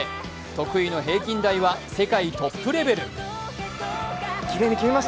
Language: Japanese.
得意の平均台は世界トップレベル。